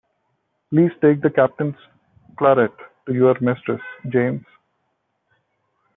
Please take the Captain's claret to your mistress, James!